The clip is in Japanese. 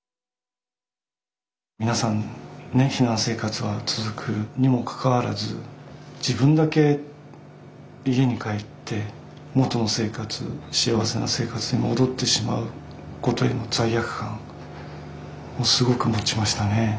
皆さんね避難生活は続くにもかかわらず自分だけ家に帰って元の生活幸せな生活に戻ってしまうことへの罪悪感をすごく持ちましたね。